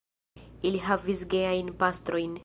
Ili havis geajn pastrojn.